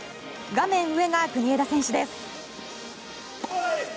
画面上が国枝選手です。